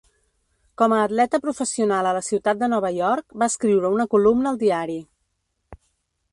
Com a atleta professional a la ciutat de Nova York, va escriure una columna al diari.